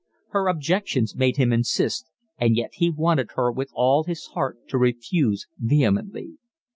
Her objections made him insist, and yet he wanted her with all his heart to refuse vehemently.